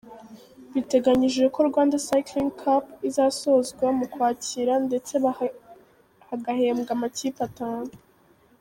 Biteganyijwe ko Rwanda Cycling Cup izasozwa izasozwa mu Ukwakira akira ndetse hagahembwa amakipe atanu.